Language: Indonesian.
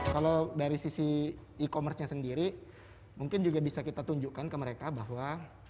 kalau dari sisi e commerce nya sendiri mungkin juga bisa kita tunjukkan ke mereka bahwa